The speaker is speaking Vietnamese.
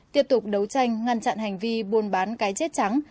tiếp tục đấu tranh ngăn chặn hành vi buôn bán cái chết trắng